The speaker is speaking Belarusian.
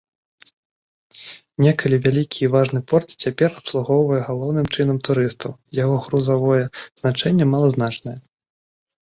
Некалі вялікі і важны порт цяпер абслугоўвае галоўным чынам турыстаў, яго грузавое значэнне малазначнае.